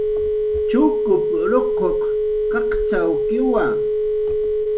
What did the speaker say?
Chukup ruquq qaqcxawkiwa